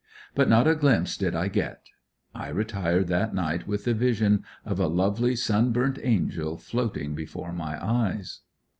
But not a glimpse did I get. I retired that night with the vision of a lovely sunburnt angel floating before my eyes.